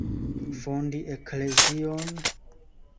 Fondi eklezion?